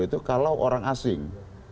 itu kalau orang asing